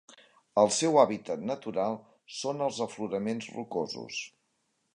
El seu hàbitat natural són els afloraments rocosos.